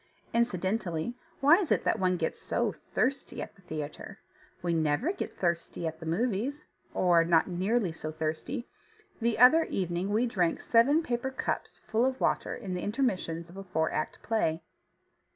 Incidentally, why is it that one gets so thirsty at the theatre? We never get thirsty at the movies, or not nearly so thirsty. The other evening we drank seven paper cups full of water in the intermissions of a four act play.